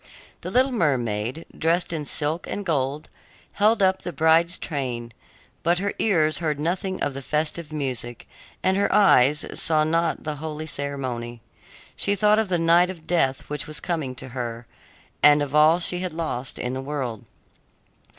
The little mermaid, dressed in silk and gold, held up the bride's train; but her ears heard nothing of the festive music, and her eyes saw not the holy ceremony. She thought of the night of death which was coming to her, and of all she had lost in the world.